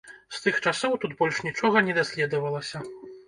З тых часоў тут больш нічога не даследавалася.